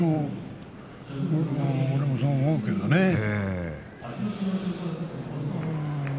俺もそう思うけどね。